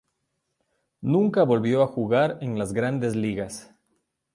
Nunca volvió a jugar en las "Grandes Ligas".